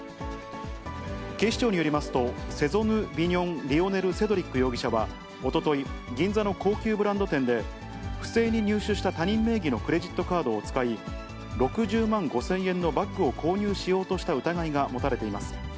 警視庁によりますと、セゾヌ・ビニョン・リオネル・セドリック容疑者は、おととい、銀座の高級ブランド店で、不正に入手した他人名義のクレジットカードを使い、６０万５０００円のバッグを購入しようとした疑いが持たれています。